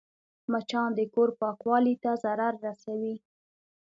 مچان د کور پاکوالي ته ضرر رسوي